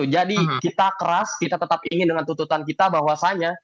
jadi kita keras kita tetap ingin dengan tuntutan kita bahwasannya